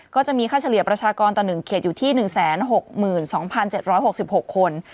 ก็จะมีค่าเฉลี่ยประชากรต่อ๑เขตอยู่ที่๑๖๒๗๖๖คน